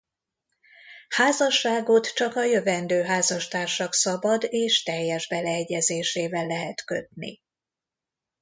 Házasságot csak a jövendő házastársak szabad és teljes beleegyezésével lehet kötni.